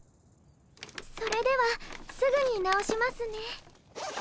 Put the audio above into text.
それではすぐに直しますね。